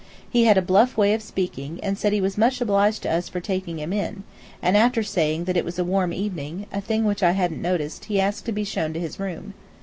He had a bluff way of speaking, and said he was much obliged to us for taking him in; and after saying that it was a warm evening, a thing which I hadn't noticed, he asked to be shown to his room.